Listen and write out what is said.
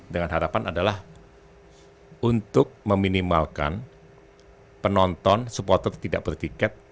dengan harapan adalah untuk meminimalkan penonton supporter tidak bertiket